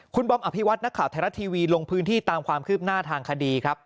คุณบอมอภิวัตนักข่าวไทยรัฐทีวีลงพื้นที่ตามความคืบหน้าทางคดีครับ